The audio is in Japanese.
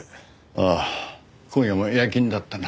ああ今夜も夜勤だったな。